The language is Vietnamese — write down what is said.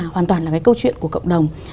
hoàn toàn là cái câu chuyện của cộng đồng